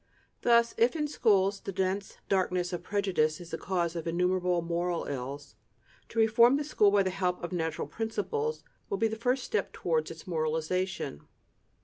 Thus, if in schools the dense darkness of prejudice is the cause of innumerable moral ills, to reform the school by the help of natural principles will be the first step towards its moralization.